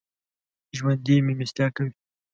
ژوندي مېلمستیا کوي